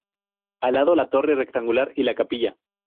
Al lado, la torre rectangular y la capilla.